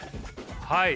はい。